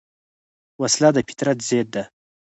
وسله د فطرت ضد ده